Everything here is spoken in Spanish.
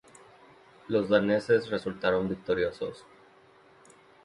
Los daneses resultaron victoriosos.